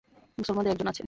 মুসলমানদের একজন আছে।